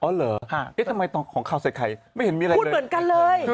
อ๋อเหรอเอ๊ะทำไมของข่าวสัดไข่ไม่เห็นมีอะไร